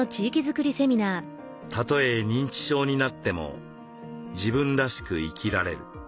「たとえ認知症になっても自分らしく生きられる。